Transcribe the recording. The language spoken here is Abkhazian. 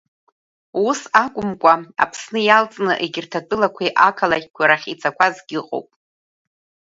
Ус акәымкәа Аԥсны иалҵны егьырҭ атәылақәеи ақалақьқәеи рахь ицақәазгьы ыҟоуп.